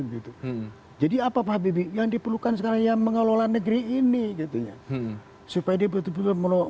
gitu jadi apa tapi yang diperlukan seharian mengelola negeri ini sepeda betul betul menolong